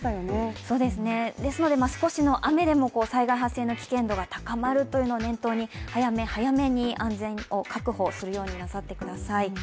ですので少しの雨でも災害発生の危険度が高まるというのを念頭に、早め早めに安全を確保するようになさってください。